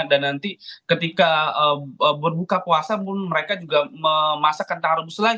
dan nanti ketika berbuka puasa pun mereka juga memasaknya